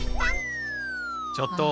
ちょっと！